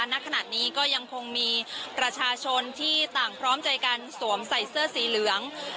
ณขณะนี้ก็ยังคงมีประชาชนที่ต่างพร้อมใจกันสวมใส่เสื้อสีเหลือง